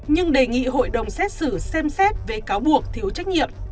nhưng đề nghị hội đồng xét xử xem xét về cáo buộc thiếu trách nhiệm